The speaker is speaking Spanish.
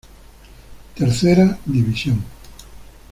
Tercera División.